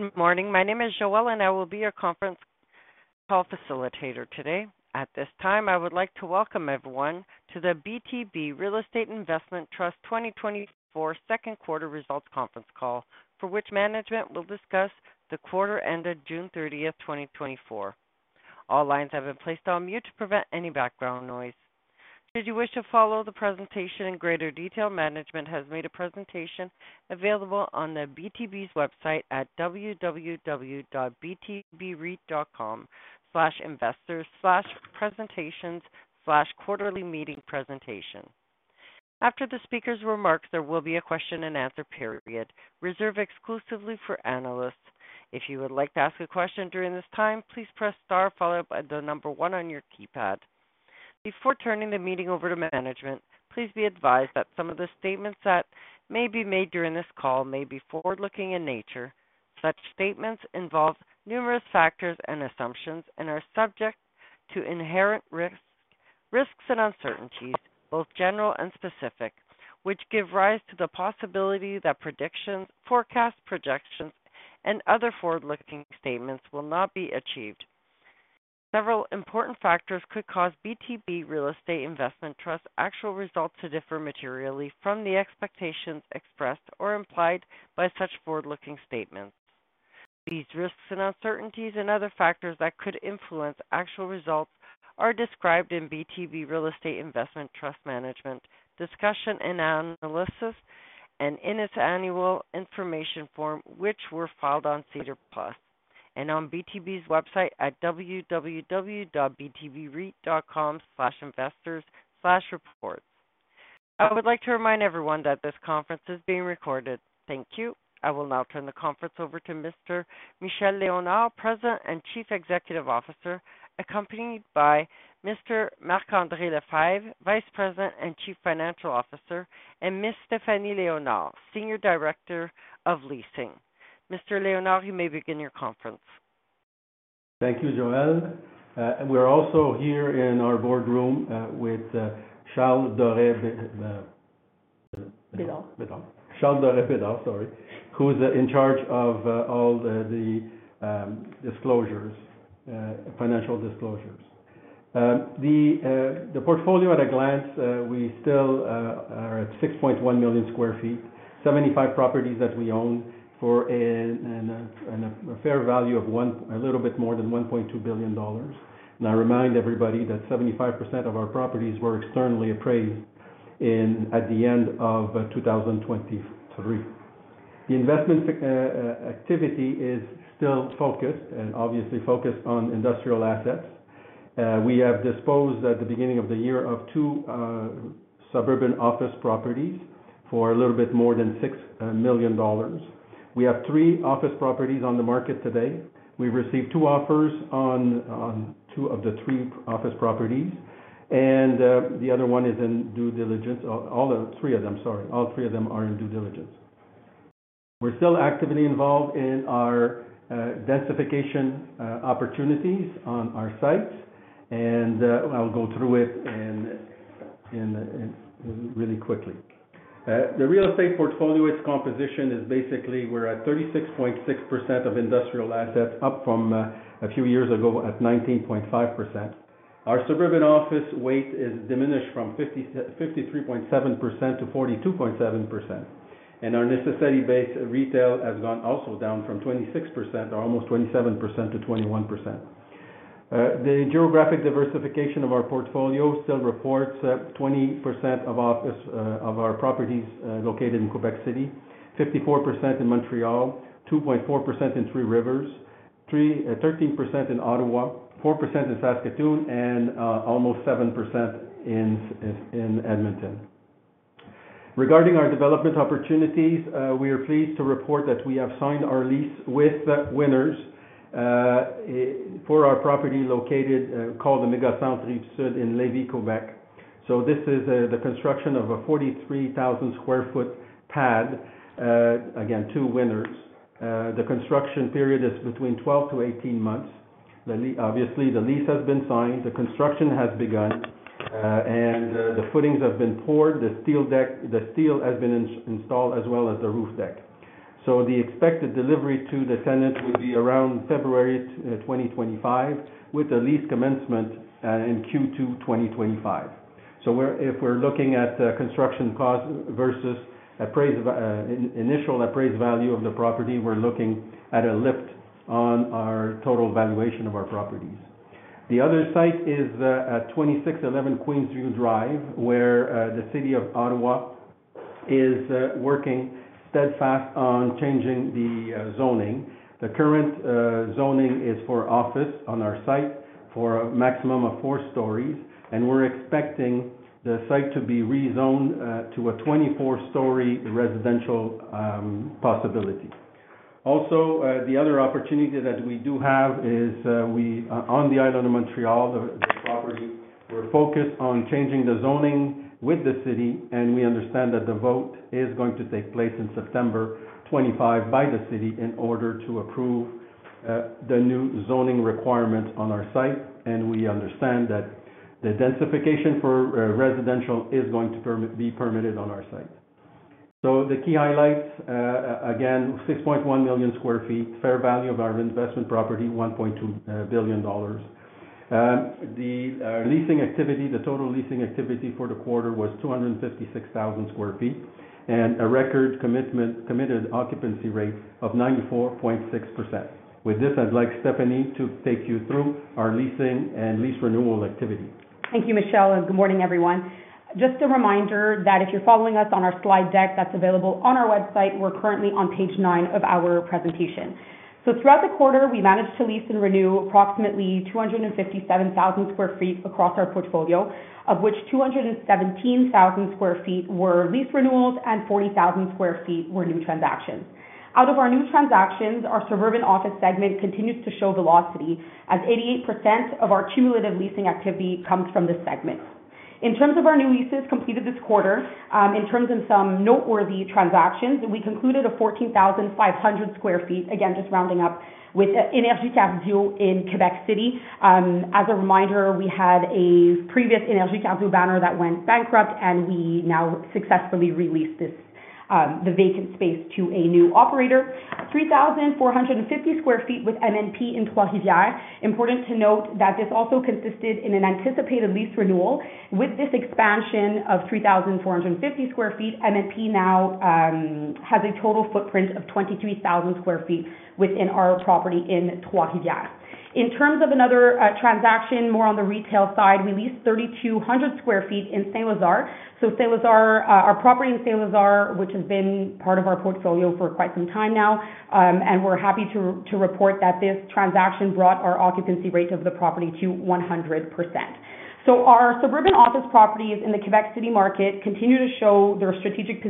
Good morning. My name is Joelle, and I will be your conference call facilitator today. At this time, I would like to welcome everyone to the BTB Real Estate Investment Trust 2024 second quarter results conference call, for which management will discuss the quarter ended June 30, 2024. All lines have been placed on mute to prevent any background noise. Should you wish to follow the presentation in greater detail, management has made a presentation available on the BTB's website at www.btbreit.com/investors/presentations/quarterlymeetingpresentation. After the speaker's remarks, there will be a question-and-answer period reserved exclusively for analysts. If you would like to ask a question during this time, please press star followed by the number one on your keypad. Before turning the meeting over to management, please be advised that some of the statements that may be made during this call may be forward-looking in nature. Such statements involve numerous factors and assumptions and are subject to inherent risk, risks and uncertainties, both general and specific, which give rise to the possibility that predictions, forecast projections, and other forward-looking statements will not be achieved. Several important factors could cause BTB Real Estate Investment Trust's actual results to differ materially from the expectations expressed or implied by such forward-looking statements. These risks and uncertainties and other factors that could influence actual results are described in BTB Real Estate Investment Trust Management's discussion and analysis, and in its annual information form, which were filed on SEDAR+ and on BTB's website at www.btbreit.com/investors/reports. I would like to remind everyone that this conference is being recorded. Thank you. I will now turn the conference over to Mr. Michel Léonard, President and Chief Executive Officer, accompanied by Mr. Marc-André Lefebvre, Vice President and Chief Financial Officer, and Miss Stéphanie Léonard, Senior Director of Leasing. Mr. Léonard, you may begin your conference. Thank you, Joelle. We're also here in our boardroom with Charles Dorais-Bédard. Bédard. Charles Dorais-Bédard, sorry, who is in charge of all the financial disclosures. The portfolio at a glance, we still are at 6.1 million sq ft, 75 properties that we own for a fair value of a little bit more than 1.2 billion dollars. And I remind everybody that 75% of our properties were externally appraised at the end of 2023. The investment activity is still focused and obviously focused on industrial assets. We have disposed, at the beginning of the year, of two suburban office properties for a little bit more than 6 million dollars. We have three office properties on the market today. We've received two offers on two of the three office properties, and the other one is in due diligence. All three of them are in due diligence. We're still actively involved in our densification opportunities on our sites, and I'll go through it really quickly. The real estate portfolio, its composition is basically we're at 36.6% of industrial assets, up from a few years ago, at 19.5%. Our suburban office weight is diminished from 53.7% to 42.7%, and our necessary base retail has gone also down from 26%, or almost 27% to 21%. The geographic diversification of our portfolio still reports that 20% of office, of our properties, located in Quebec City, 54% in Montreal, 2.4% in Three Rivers, 13% in Ottawa, 4% in Saskatoon, and, almost 7% in Edmonton. Regarding our development opportunities, we are pleased to report that we have signed our lease with Winners, for our property located, called the Méga Centre Rive-Sud in Lévis, Quebec. So this is, the construction of a 43,000 sq ft pad. Again, two Winners. The construction period is between 12-18 months. Obviously, the lease has been signed, the construction has begun, and, the footings have been poured, the steel deck, the steel has been installed, as well as the roof deck. So the expected delivery to the tenant will be around February 2025, with the lease commencement in Q2 2025. So we're if we're looking at construction cost versus appraised initial appraised value of the property, we're looking at a lift on our total valuation of our properties. The other site is at 2611 Queensview Drive, where the city of Ottawa is working steadfast on changing the zoning. The current zoning is for office on our site, for a maximum of four stories, and we're expecting the site to be rezoned to a 24-story residential possibility. Also, the other opportunity that we do have is we... On the island of Montreal, the property, we're focused on changing the zoning with the city, and we understand that the vote is going to take place in September 2025 by the city in order to approve the new zoning requirements on our site, and we understand that the densification for residential is going to be permitted on our site. So the key highlights, again, 6.1 million sq ft, fair value of our investment property, 1.2 billion dollars. The leasing activity, the total leasing activity for the quarter was 256,000 sq ft, and a record committed occupancy rate of 94.6%. With this, I'd like Stéphanie to take you through our leasing and lease renewal activity. Thank you, Michel, and good morning, everyone. Just a reminder that if you're following us on our slide deck, that's available on our website. We're currently on page nine of our presentation. Throughout the quarter, we managed to lease and renew approximately 257,000 sq ft across our portfolio, of which 217,000 sq ft were lease renewals and 40,000 sq ft were new transactions. Out of our new transactions, our suburban office segment continues to show velocity, as 88% of our cumulative leasing activity comes from this segment. In terms of our new leases completed this quarter, in terms of some noteworthy transactions, we concluded a 14,500 sq ft, again, just rounding up with Énergie Cardio in Quebec City. As a reminder, we had a previous Énergie Cardio banner that went bankrupt, and we now successfully released this, the vacant space to a new operator. 3,450 sq ft with MNP in Trois-Rivières. Important to note that this also consisted in an anticipated lease renewal. With this expansion of 3,450 sq ft, MNP now has a total footprint of 23,000 sq ft within our property in Trois-Rivières. In terms of another transaction, more on the retail side, we leased 3,200 sq ft in Saint-Lazare. So Saint-Lazare, our property in Saint-Lazare, which has been part of our portfolio for quite some time now, and we're happy to report that this transaction brought our occupancy rate of the property to 100%. So our suburban office properties in the Quebec City market continue to show their strategic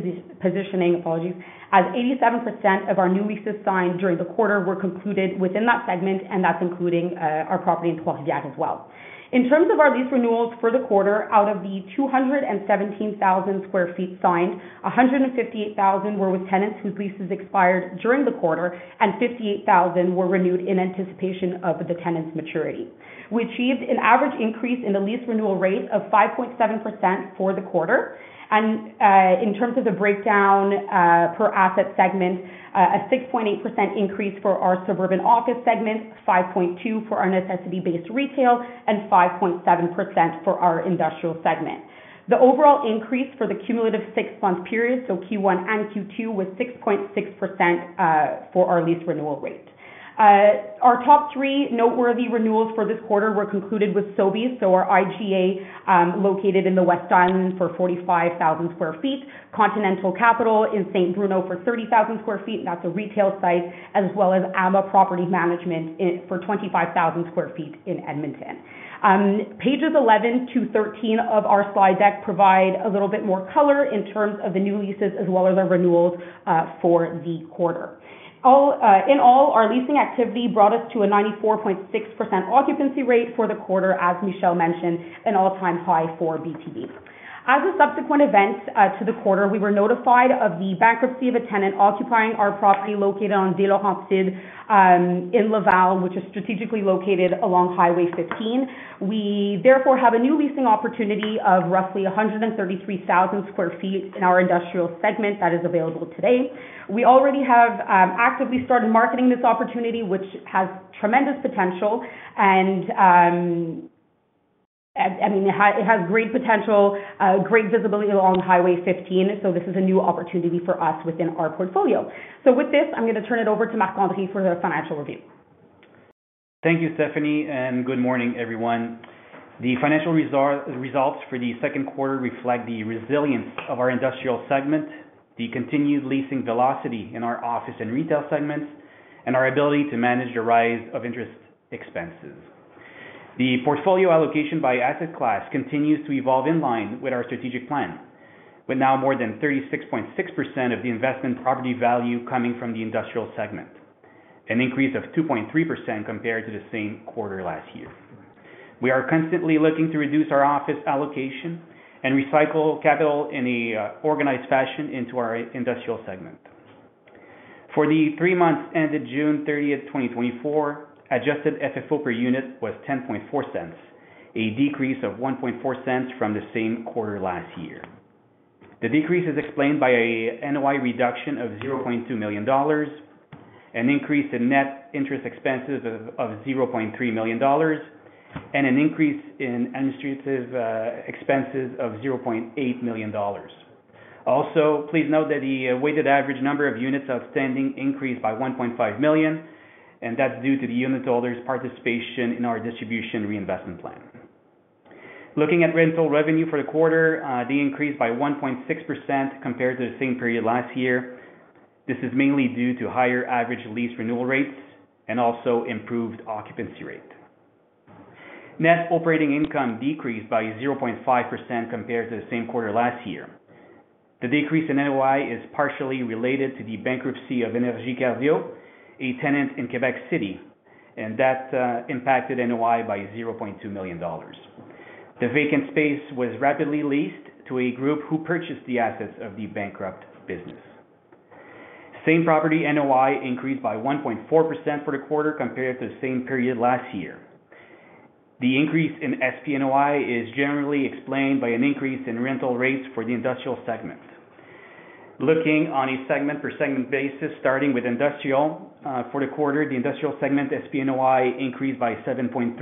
positioning, apologies, as 87% of our new leases signed during the quarter were concluded within that segment, and that's including our property in Trois-Rivières as well. In terms of our lease renewals for the quarter, out of the 217,000 sq ft signed, 158,000 were with tenants whose leases expired during the quarter, and 58,000 were renewed in anticipation of the tenant's maturity. We achieved an average increase in the lease renewal rate of 5.7% for the quarter. And in terms of the breakdown per asset segment, a 6.8% increase for our suburban office segment, 5.2% for our necessity-based retail, and 5.7% for our industrial segment. The overall increase for the cumulative six-month period, so Q1 and Q2, was 6.6% for our lease renewal rate. Our top three noteworthy renewals for this quarter were concluded with Sobeys, so our IGA, located in the West Island for 45,000 sq ft, Continental Capital in Saint Bruno for 30,000 sq ft, that's a retail site, as well as AMA Property Management Group in Edmonton for 25,000 sq ft. Pages 11-13 of our slide deck provide a little bit more color in terms of the new leases as well as our renewals for the quarter. All in all, our leasing activity brought us to a 94.6% occupancy rate for the quarter, as Michel mentioned, an all-time high for BTB. As a subsequent event to the quarter, we were notified of the bankruptcy of a tenant occupying our property located on de la Rampaide in Laval, which is strategically located along Highway 15. We therefore have a new leasing opportunity of roughly 133,000 sq ft in our industrial segment that is available today. We already have actively started marketing this opportunity, which has tremendous potential and, I mean, it has, it has great potential, great visibility along Highway 15, so this is a new opportunity for us within our portfolio. So with this, I'm going to turn it over to Marc-André for the financial review. Thank you, Stephanie, and good morning, everyone. The financial results for the second quarter reflect the resilience of our industrial segment, the continued leasing velocity in our office and retail segments, and our ability to manage the rise of interest expenses. The portfolio allocation by asset class continues to evolve in line with our strategic plan, with now more than 36.6% of the investment property value coming from the industrial segment, an increase of 2.3% compared to the same quarter last year. We are constantly looking to reduce our office allocation and recycle capital in a organized fashion into our industrial segment. For the three months ended June 30, 2024, adjusted FFO per unit was 0.104, a decrease of 0.014 from the same quarter last year. The decrease is explained by a NOI reduction of 0.2 million dollars, an increase in net interest expenses of 0.3 million dollars, and an increase in administrative expenses of 0.8 million dollars. Also, please note that the weighted average number of units outstanding increased by 1.5 million, and that's due to the unit holders' participation in our distribution reinvestment plan. Looking at rental revenue for the quarter, they increased by 1.6% compared to the same period last year. This is mainly due to higher average lease renewal rates and also improved occupancy rate. Net operating income decreased by 0.5% compared to the same quarter last year. The decrease in NOI is partially related to the bankruptcy of Énergie Cardio, a tenant in Quebec City, and that impacted NOI by 0.2 million dollars. The vacant space was rapidly leased to a group who purchased the assets of the bankrupt business. Same property NOI increased by 1.4% for the quarter, compared to the same period last year. The increase in SPNOI is generally explained by an increase in rental rates for the industrial segment. Looking on a segment per segment basis, starting with industrial. For the quarter, the industrial segment, SPNOI, increased by 7.3%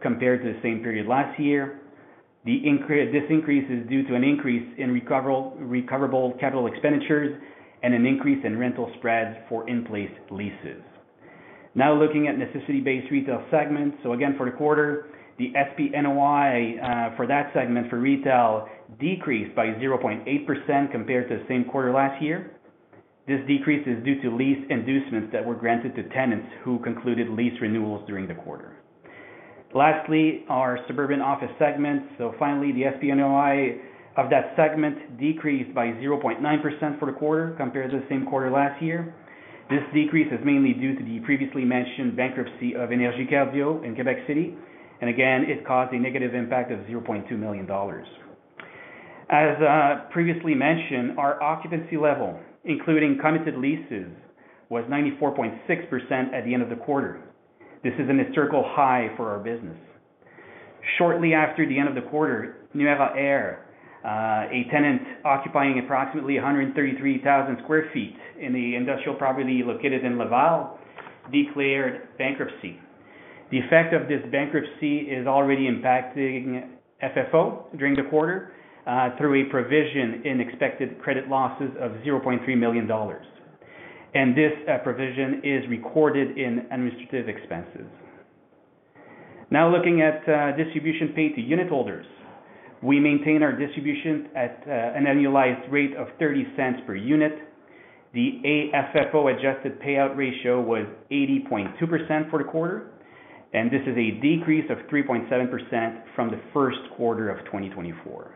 compared to the same period last year. This increase is due to an increase in recoverable capital expenditures and an increase in rental spreads for in-place leases. Now looking at necessity-based retail segments. So again, for the quarter, the SPNOI for that segment, for retail, decreased by 0.8% compared to the same quarter last year. This decrease is due to lease inducements that were granted to tenants who concluded lease renewals during the quarter. Lastly, our suburban office segment. So finally, the SPNOI of that segment decreased by 0.9% for the quarter, compared to the same quarter last year. This decrease is mainly due to the previously mentioned bankruptcy of Énergie Cardio in Quebec City, and again, it caused a negative impact of 0.2 million dollars. As previously mentioned, our occupancy level, including committed leases, was 94.6% at the end of the quarter. This is an historical high for our business. Shortly after the end of the quarter, Nuera Air, a tenant occupying approximately 133,000 sq ft in the industrial property located in Laval, declared bankruptcy. The effect of this bankruptcy is already impacting FFO during the quarter, through a provision in expected credit losses of 0.3 million dollars. And this, provision is recorded in administrative expenses. Now, looking at distribution paid to unit holders. We maintain our distribution at an annualized rate of 0.30 per unit. The AFFO adjusted payout ratio was 80.2% for the quarter, and this is a decrease of 3.7% from the first quarter of 2024.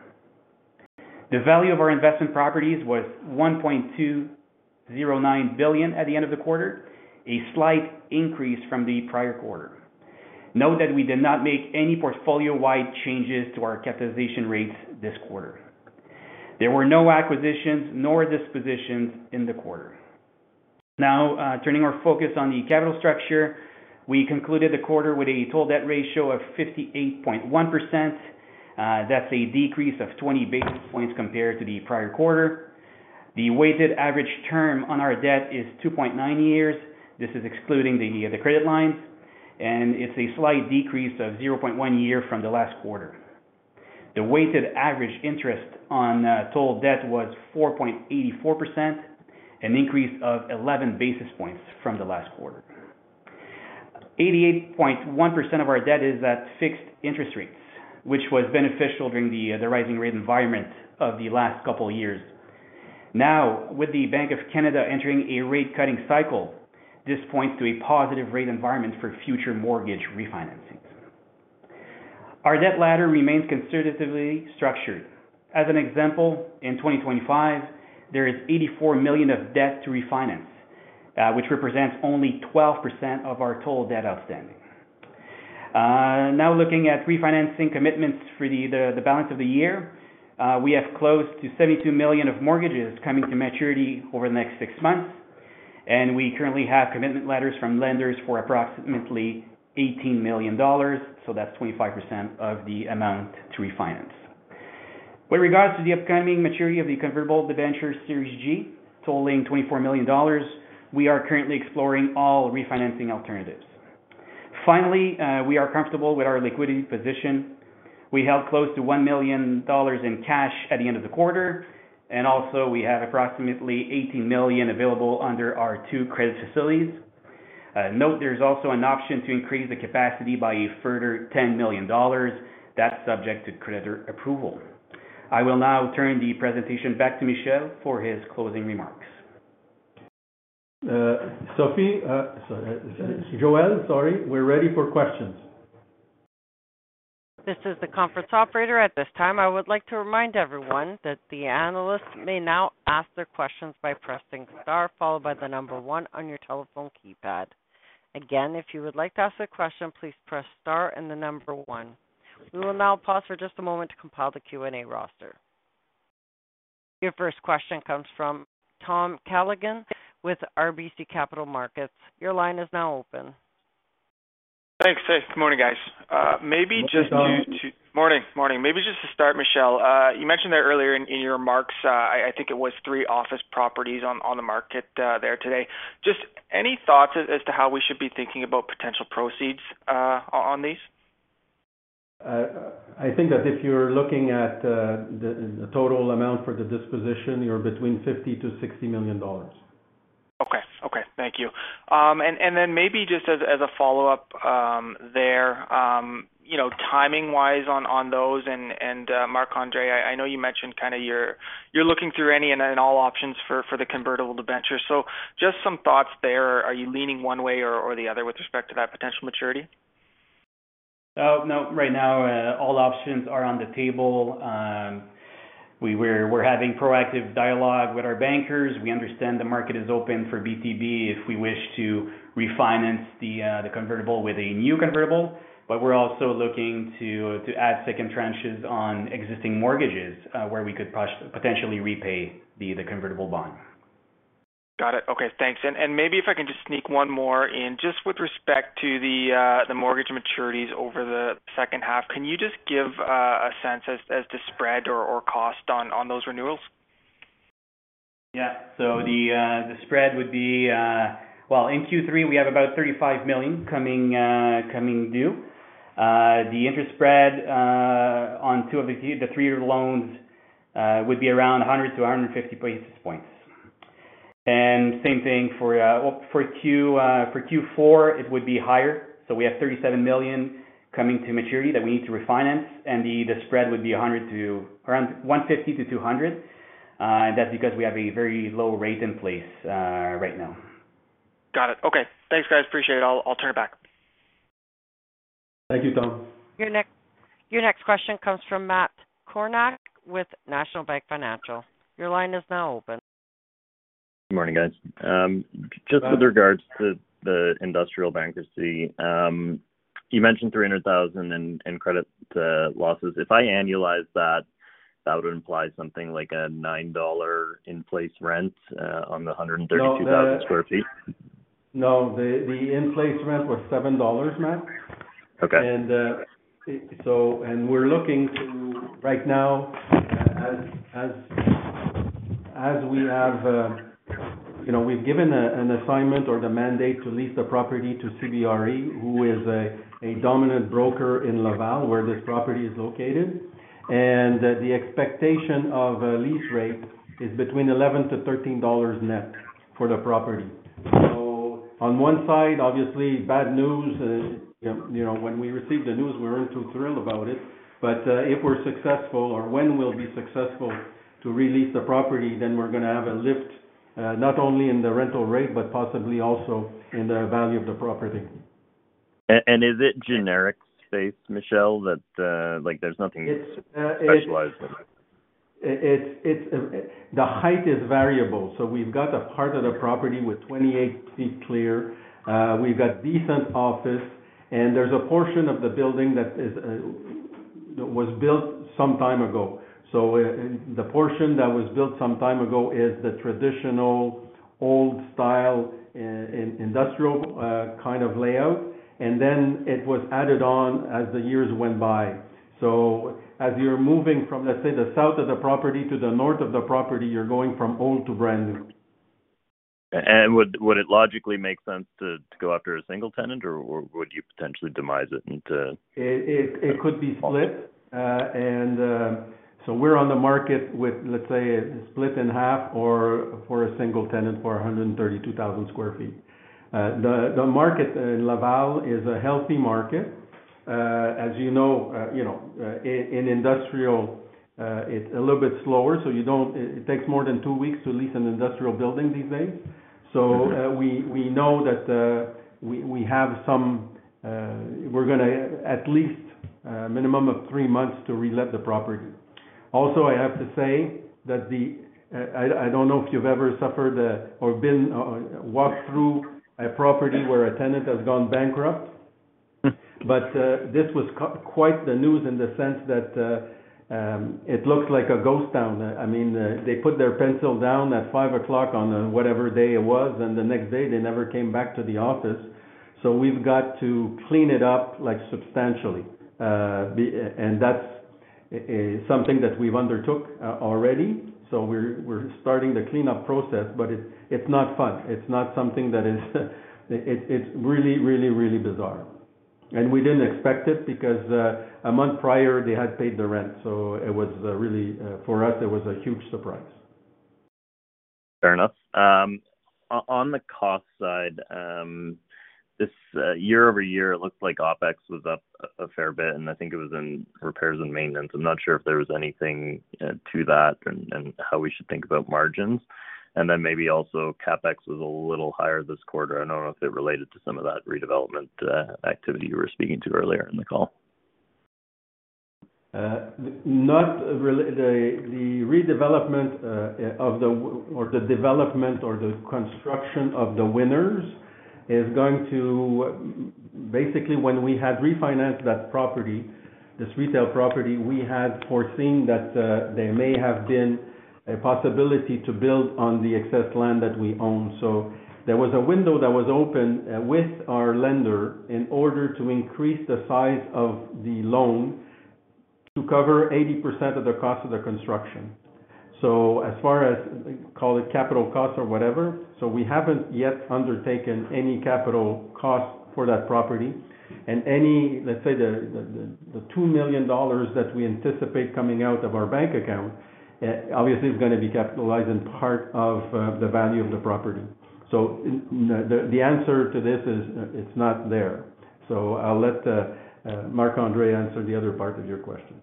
The value of our investment properties was 1.209 billion at the end of the quarter, a slight increase from the prior quarter. Note that we did not make any portfolio-wide changes to our capitalization rates this quarter. There were no acquisitions nor dispositions in the quarter. Now, turning our focus on the capital structure. We concluded the quarter with a total debt ratio of 58.1%. That's a decrease of 20 basis points compared to the prior quarter. The weighted average term on our debt is 2.9 years. This is excluding the credit lines, and it's a slight decrease of 0.1 year from the last quarter. The weighted average interest on total debt was 4.84%, an increase of 11 basis points from the last quarter. 88.1% of our debt is at fixed interest rates, which was beneficial during the rising rate environment of the last couple of years. Now, with the Bank of Canada entering a rate cutting cycle, this points to a positive rate environment for future mortgage refinancings. Our debt ladder remains conservatively structured. As an example, in 2025, there is 84 million of debt to refinance, which represents only 12% of our total debt outstanding. Now, looking at refinancing commitments for the balance of the year, we have close to 72 million of mortgages coming to maturity over the next six months, and we currently have commitment letters from lenders for approximately 18 million dollars, so that's 25% of the amount to refinance. With regards to the upcoming maturity of the convertible debenture series G, totaling 24 million dollars, we are currently exploring all refinancing alternatives. Finally, we are comfortable with our liquidity position. We held close to 1 million dollars in cash at the end of the quarter, and also we have approximately 18 million available under our two credit facilities. Note, there's also an option to increase the capacity by a further 10 million dollars. That's subject to creditor approval. I will now turn the presentation back to Michel for his closing remarks. Sophie, sorry, Joelle, sorry. We're ready for questions. This is the conference operator. At this time, I would like to remind everyone that the analysts may now ask their questions by pressing star, followed by the number one on your telephone keypad. Again, if you would like to ask a question, please press star and the number one. We will now pause for just a moment to compile the Q&A roster. Your first question comes from . Your line is now open. Thanks. Hey, good morning, guys. Maybe just to- Good morning. Morning. Morning. Maybe just to start, Michel, you mentioned there earlier in your remarks, I think it was three office properties on the market there today. Just any thoughts as to how we should be thinking about potential proceeds on these? I think that if you're looking at the total amount for the disposition, you're between 50 million-60 million dollars. Okay. Okay, thank you. And then maybe just as a follow-up, there, you know, timing-wise on those, Marc-André, I know you mentioned kind of you're looking through any and all options for the convertible debenture. So just some thoughts there. Are you leaning one way or the other with respect to that potential maturity? No, right now, all options are on the table. We're having proactive dialogue with our bankers. We understand the market is open for BTB if we wish to refinance the convertible with a new convertible. But we're also looking to add second tranches on existing mortgages, where we could potentially repay the convertible bond. Got it. Okay, thanks. And maybe if I can just sneak one more in. Just with respect to the mortgage maturities over the second half, can you just give a sense as to spread or cost on those renewals? Yeah. So the spread would be... Well, in Q3, we have about 35 million coming due. The interest spread on two of the three, the three-year loans, would be around 100-150 basis points. And same thing for, well, for Q4, it would be higher. So we have 37 million coming to maturity that we need to refinance, and the spread would be 100 to around 150 to 200, and that's because we have a very low rate in place right now. Got it. Okay. Thanks, guys, appreciate it. I'll, I'll turn it back. Thank you, Tom. Your next question comes from Matt Kornack with National Bank Financial. Your line is now open. Good morning, guys. Hi. -With regard to the industrial bankruptcy, you mentioned 300,000 in credit losses. If I annualize that, that would imply something like a 9 dollar in-place rent on the 132- No, the- 1,000 sq ft. No, the in-place rent was 7 dollars, Matt. Okay. and we're looking to... Right now, as we have, you know, we've given an assignment or the mandate to lease the property to CBRE, who is a dominant broker in Laval, where this property is located. And the expectation of a lease rate is between 11-13 dollars net for the property. So on one side, obviously bad news. You know, when we received the news, we weren't too thrilled about it. But, if we're successful or when we'll be successful to re-lease the property, then we're gonna have a lift, not only in the rental rate, but possibly also in the value of the property. Is it generic space, Michel, that, like, there's nothing- It's, uh- Specialized in it? It's the height is variable. So we've got a part of the property with 28 ft clear. We've got decent office, and there's a portion of the building that is, was built some time ago. So, the portion that was built some time ago is the traditional old style, industrial, kind of layout, and then it was added on as the years went by. So as you're moving from, let's say, the south of the property to the north of the property, you're going from old to brand new. And would it logically make sense to go after a single tenant, or would you potentially demise it into- It could be split. And so we're on the market with, let's say, a split in half or for a single tenant for 132,000 sq ft. The market in Laval is a healthy market. As you know, you know, in industrial, it's a little bit slower, so you don't. It takes more than two weeks to lease an industrial building these days. So, we know that we have some... We're gonna at least a minimum of three months to relet the property. Also, I have to say that... I don't know if you've ever suffered a or been walked through a property where a tenant has gone bankrupt- Hmm... But this was quite the news in the sense that it looked like a ghost town. I mean, they put their pencil down at five o'clock on whatever day it was, and the next day, they never came back to the office. So we've got to clean it up, like, substantially. And that's something that we've undertook already. So we're starting the cleanup process, but it's not fun. It's not something that is... It's really, really, really bizarre. And we didn't expect it because a month prior, they had paid the rent, so it was really for us, it was a huge surprise. Fair enough. On the cost side, this year over year, it looked like OpEx was up a fair bit, and I think it was in repairs and maintenance. I'm not sure if there was anything to that and how we should think about margins. Then maybe also CapEx was a little higher this quarter. I don't know if it related to some of that redevelopment activity you were speaking to earlier in the call. Not really. The redevelopment, or the development or the construction of the Winners is going to... Basically, when we had refinanced that property, this retail property, we had foreseen that there may have been a possibility to build on the excess land that we own. So there was a window that was open with our lender in order to increase the size of the loan to cover 80% of the cost of the construction. So as far as, call it capital costs or whatever, so we haven't yet undertaken any capital costs for that property. And any, let's say, the 2 million dollars that we anticipate coming out of our bank account, obviously, is gonna be capitalized in part of the value of the property. So the answer to this is, it's not there. So I'll let Marc-André answer the other part of your question....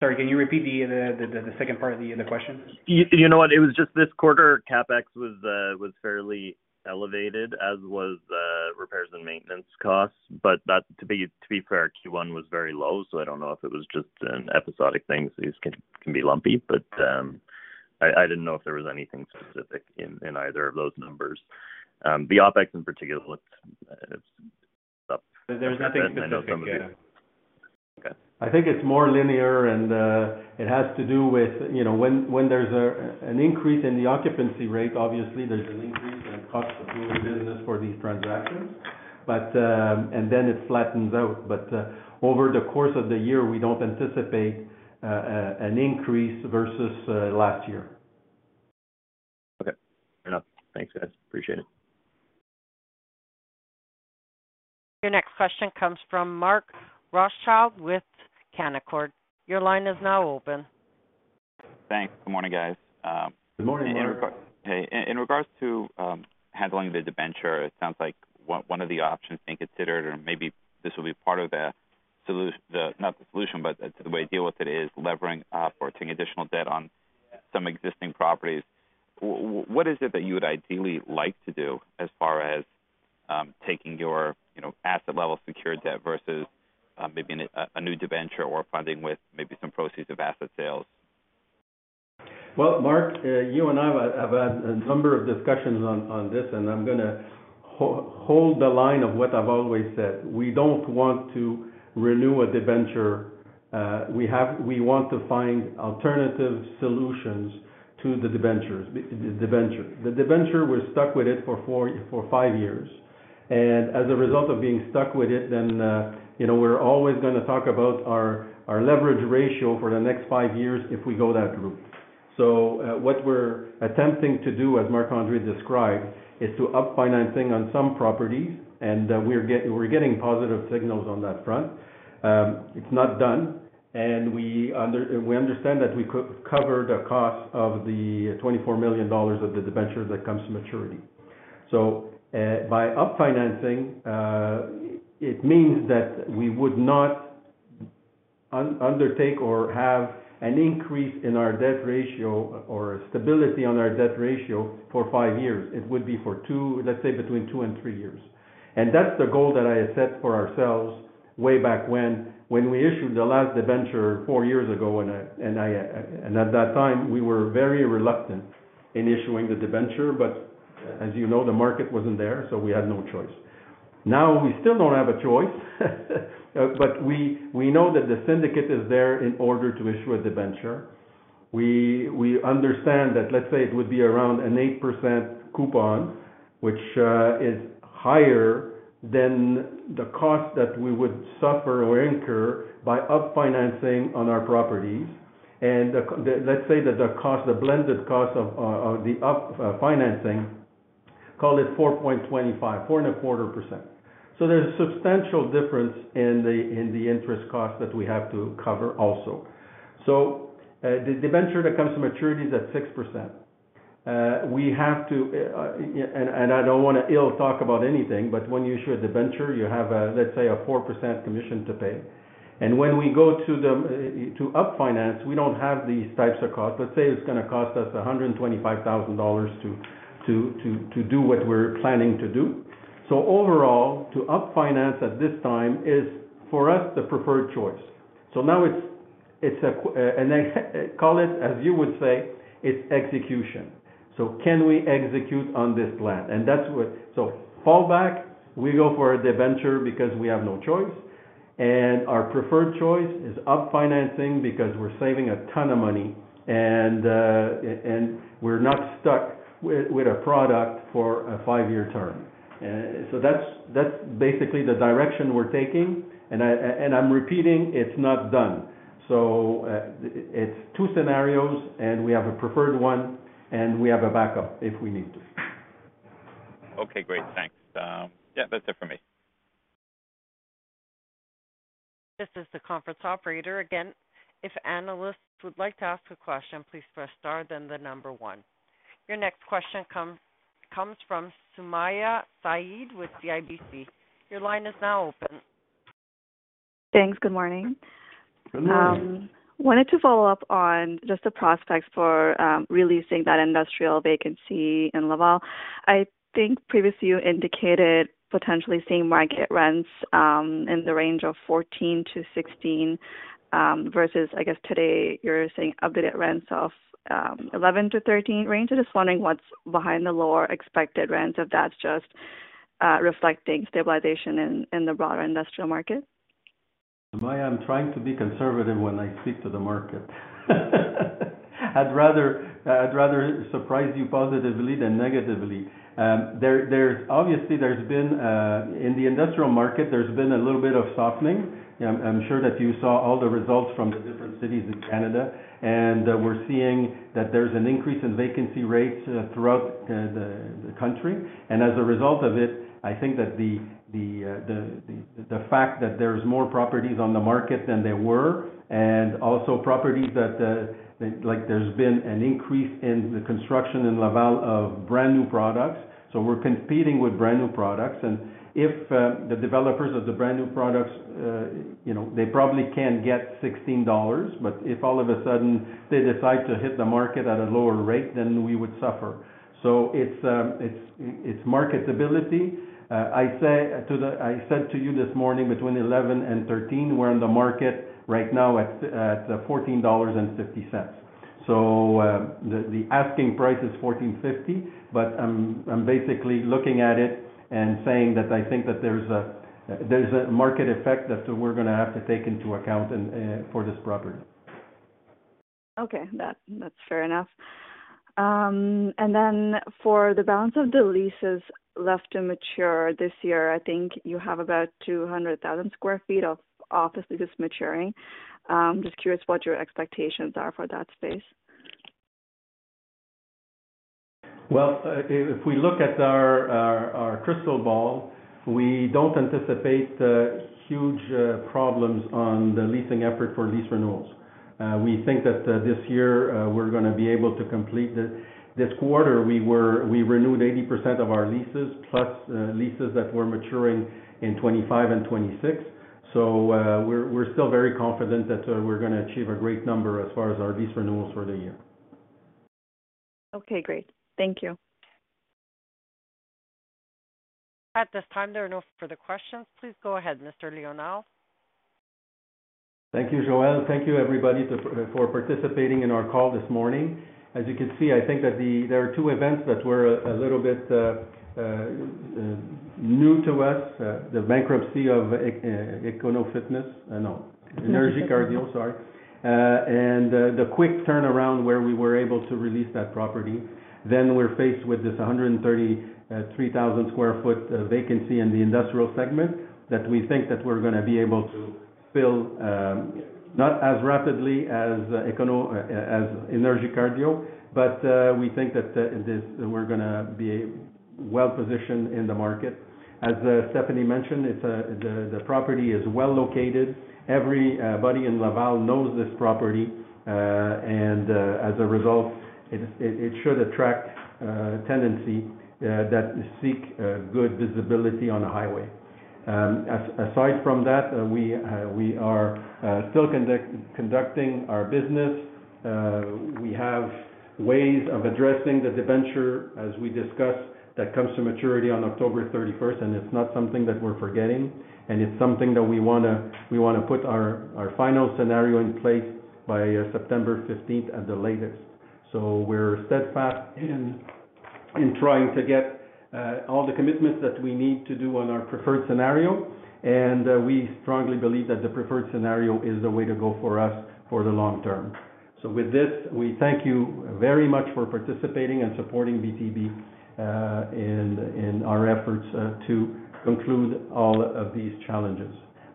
Sorry, can you repeat the second part of the question? You know what? It was just this quarter. CapEx was fairly elevated, as was repairs and maintenance costs. But to be fair, Q1 was very low, so I don't know if it was just an episodic thing. These can be lumpy, but I didn't know if there was anything specific in either of those numbers. The OpEx, in particular, looks. It's up. There's nothing specific, yeah. Okay. I think it's more linear, and it has to do with, you know, when there's an increase in the occupancy rate, obviously, there's an increase in cost of doing business for these transactions. But then it flattens out. But over the course of the year, we don't anticipate an increase versus last year. Okay, fair enough. Thanks, guys, appreciate it. Your next question comes from Mark Rothschild with Canaccord. Your line is now open. Thanks. Good morning, guys. Good morning, Mark. In regards to handling the debenture, it sounds like one of the options being considered, or maybe this will be part of the solution. Not the solution, but the way to deal with it, is levering up or taking additional debt on some existing properties. What is it that you would ideally like to do as far as taking your, you know, asset-level secured debt versus maybe a new debenture or funding with maybe some proceeds of asset sales? Well, Mark, you and I have had a number of discussions on this, and I'm gonna hold the line of what I've always said. We don't want to renew a debenture. We want to find alternative solutions to the debentures, debenture. The debenture, we're stuck with it for four or five years, and as a result of being stuck with it, then, you know, we're always gonna talk about our leverage ratio for the next five years if we go that route. So, what we're attempting to do, as Marc-André described, is to up financing on some properties, and we're getting positive signals on that front. It's not done, and we understand that we could cover the cost of the 24 million dollars of the debenture that comes to maturity. So, by up financing, it means that we would not undertake or have an increase in our debt ratio or stability on our debt ratio for five years. It would be for two, let's say, between two and three years. And that's the goal that I had set for ourselves way back when, when we issued the last debenture four years ago, and I and at that time, we were very reluctant in issuing the debenture, but as you know, the market wasn't there, so we had no choice. Now, we still don't have a choice, but we know that the syndicate is there in order to issue a debenture. We understand that, let's say, it would be around an 8% coupon, which is higher than the cost that we would suffer or incur by up financing on our properties. Let's say that the cost, the blended cost of the refinancing, call it 4.25, 4.25%. So there's substantial difference in the interest cost that we have to cover also. So the debenture that comes to maturity is at 6%. We have to... And I don't wanna belabor anything, but when you issue a debenture, you have a, let's say, a 4% commission to pay. And when we go to the to refinance, we don't have these types of costs. Let's say it's gonna cost us 125,000 dollars to do what we're planning to do. So overall, to refinance at this time is, for us, the preferred choice. So now it's a question. And I call it, as you would say, it's execution. So can we execute on this plan? And that's. So fallback, we go for a debenture because we have no choice, and our preferred choice is equity financing because we're saving a ton of money, and we're not stuck with a product for a 5-year term. So that's basically the direction we're taking, and I'm repeating, it's not done. So it's two scenarios, and we have a preferred one, and we have a backup if we need to. Okay, great. Thanks. Yeah, that's it for me. This is the conference operator again. If analysts would like to ask a question, please press star then the number one. Your next question comes from Sumayya Syed with CIBC. Your line is now open. Thanks. Good morning. Good morning. Wanted to follow up on just the prospects for releasing that industrial vacancy in Laval. I think previously you indicated potentially seeing market rents in the range of 14-16 versus, I guess today you're saying updated rents of 11-13 range. I'm just wondering what's behind the lower expected rents, if that's just reflecting stabilization in the broader industrial market? Sumayya, I'm trying to be conservative when I speak to the market. I'd rather, I'd rather surprise you positively than negatively. Obviously, there's been a little bit of softening in the industrial market. I'm sure that you saw all the results from the different cities in Canada, and we're seeing that there's an increase in vacancy rates throughout the country. And as a result of it, I think that the fact that there's more properties on the market than there were, and also properties that like there's been an increase in the construction in Laval of brand-new products. So we're competing with brand-new products, and if the developers of the brand-new products you know, they probably can get 16 dollars, but if all of a sudden they decide to hit the market at a lower rate, then we would suffer. So it's marketability. I say to the- I said to you this morning, between 11 and 13, we're in the market right now at 14.50 dollars. So the asking price is 14.50, but I'm basically looking at it and saying that I think that there's a market effect that we're gonna have to take into account and for this property. Okay, that, that's fair enough. And then for the balance of the leases left to mature this year, I think you have about 200,000 sq ft of office that is maturing. Just curious what your expectations are for that space? Well, if we look at our crystal ball, we don't anticipate huge problems on the leasing effort for lease renewals. We think that this year we're gonna be able to complete. This quarter, we renewed 80% of our leases, plus leases that were maturing in 2025 and 2026. So, we're still very confident that we're gonna achieve a great number as far as our lease renewals for the year. Okay, great. Thank you. At this time, there are no further questions. Please go ahead, Mr. Léonard. Thank you, Joelle. Thank you, everybody, for participating in our call this morning. As you can see, I think that there are two events that were a little bit new to us. The bankruptcy of Énergie Cardio, sorry. And the quick turnaround, where we were able to release that property. Then we're faced with this 133,000 sq ft vacancy in the industrial segment, that we think that we're gonna be able to fill, not as rapidly as Énergie Cardio, but we think that we're gonna be well-positioned in the market. As Stéphanie mentioned, it's the property is well-located. Everybody in Laval knows this property. As a result, it should attract tenancy that seek good visibility on a highway. As, aside from that, we are still conducting our business. We have ways of addressing the debenture, as we discussed, that comes to maturity on October 31st, and it's not something that we're forgetting, and it's something that we wanna put our final scenario in place by September 15th, at the latest. So we're steadfast in trying to get all the commitments that we need to do on our preferred scenario. We strongly believe that the preferred scenario is the way to go for us for the long term. So with this, we thank you very much for participating and supporting BTB in our efforts to conclude all of these challenges.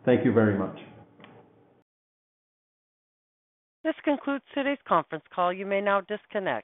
Thank you very much. This concludes today's conference call. You may now disconnect.